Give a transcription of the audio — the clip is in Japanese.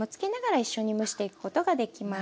一緒に蒸していくことができます。